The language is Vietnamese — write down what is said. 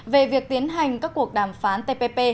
về việc tiến hành các cuộc đàm phán tpp